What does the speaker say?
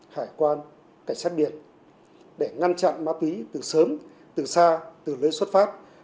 hải quan cảnh sát biển để ngăn chặn ma túy từ sớm từ xa từ lưới xuất phát